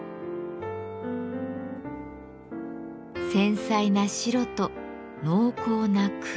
「繊細な白」と「濃厚な黒」。